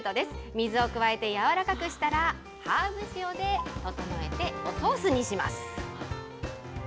水を加えてやわらかくしたら、ハーブ塩で調えておソースにします。